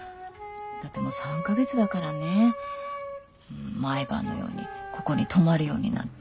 だって３か月だからね毎晩のようにここに泊まるようになって。